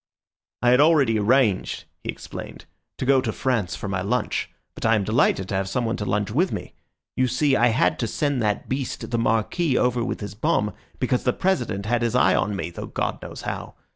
"I had already arranged," he explained, "to go to France for my lunch; but I am delighted to have someone to lunch with me. You see, I had to send that beast, the Marquis, over with his bomb, because the President had his eye on me, though God knows how.